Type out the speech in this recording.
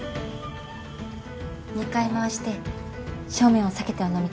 ２回回して正面を避けてお飲みください。